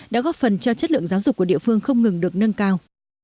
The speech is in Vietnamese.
đã góp phần cho chất lượng giáo dục của địa phương không ngừng được nâng cao